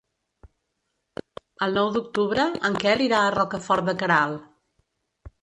El nou d'octubre en Quel irà a Rocafort de Queralt.